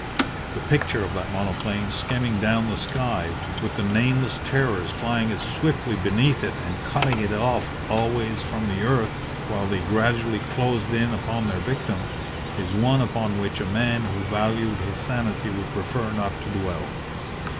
The picture of that monoplane skimming down the sky, with the nameless terrors flying as swiftly beneath it and cutting it off always from the earth while they gradually closed in upon their victim, is one upon which a man who valued his sanity would prefer not to dwell.